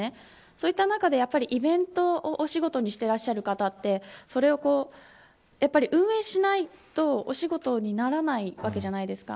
そういった中でイベントを仕事にしていらっしゃる方ってそれを運営しないとお仕事にならないわけじゃないですか。